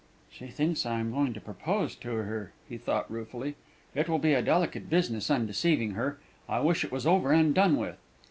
"She thinks I am going to propose to her!" he thought ruefully; "it will be a delicate business undeceiving her. I wish it was over and done with!"